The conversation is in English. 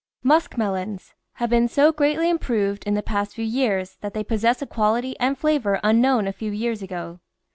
MUSK MELONS Have been so greatly improved in the past few years that they possess a quality and flavour un known a few years ago.